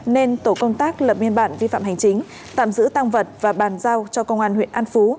nên tổ công tác lập biên bản vi phạm hành chính tạm giữ tăng vật và bàn giao cho công an huyện an phú